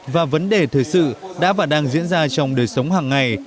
và vấn đề thời sự đã và đang diễn ra trong đời sống hàng ngày